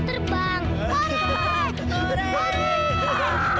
tetapi kita harus beres